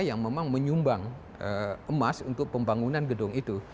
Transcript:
yang memang menyumbang emas untuk pembangunan gedung itu